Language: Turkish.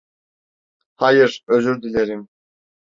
Hayır, özür dilerim.